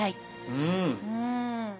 うん。